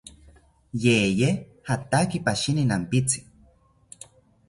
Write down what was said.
Yeye jataki pashini nampitzi